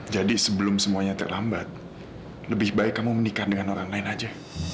jadi sebelum semuanya terlambat lebih baik kamu menikah dengan orang lain aja